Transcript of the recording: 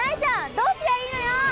どうすりゃいいのよ！